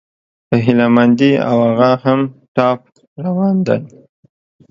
په هيله مندي، او هغه هم ټاپ روان دى